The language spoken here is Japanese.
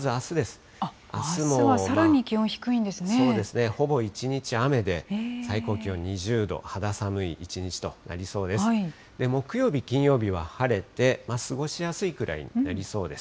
あすはさらに気温が低いんでそうですね、ほぼ一日雨で、最高気温２０度、肌寒い一日となりそうです。